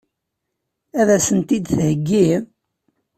Ad sent-tent-id-theggi?